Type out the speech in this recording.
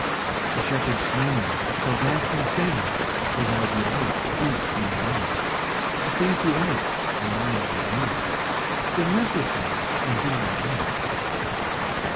20 The shepherd swains shall dance and sing For thy delight each May morning: If these delights thy mind may move, Then live with me and be my Love.